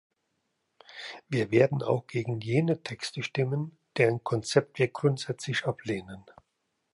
Wir werden auch gegen jene Texte stimmen, deren Konzept wir grundsätzlich ablehnen.